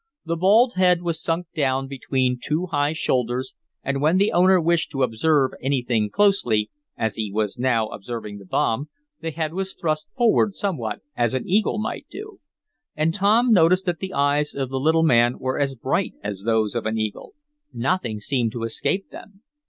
The bald head was sunk down between two high shoulders, and when the owner wished to observe anything closely, as he was now observing the bomb, the head was thrust forward somewhat as an eagle might do. And Tom noticed that the eyes of the little man were as bright as those of an eagle. Nothing seemed to escape them.